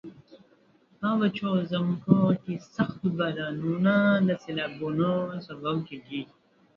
په وچو ځمکو کې سخت بارانونه د سیلابونو سبب کیږي.